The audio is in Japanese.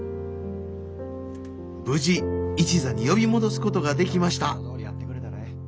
無事一座に呼び戻すことができました。